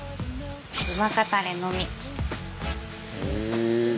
うまかたれのみ。